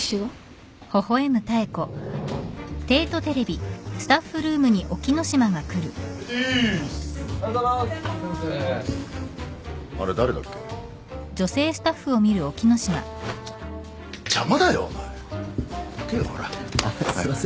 あっすいません。